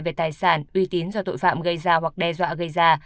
về tài sản uy tín do tội phạm gây ra hoặc đe dọa gây ra